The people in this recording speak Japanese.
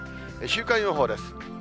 週間予報です。